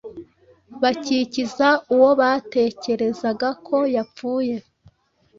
bakikiza uwo batekerezaga ko yapfuye.